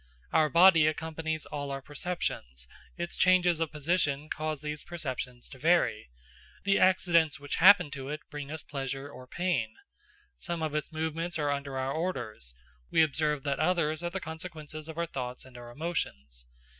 Our body accompanies all our perceptions; its changes of position cause these perceptions to vary; the accidents which happen to it bring us pleasure or pain. Some of its movements are under our orders; we observe that others are the consequences of our thoughts and our emotions.